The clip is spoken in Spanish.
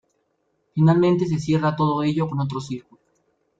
Finalmente se cierra todo ello con otro círculo.